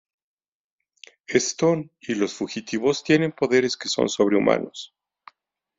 Stone y los fugitivos tienen poderes que son sobrehumanos.